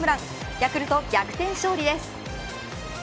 ヤクルト逆転勝利です。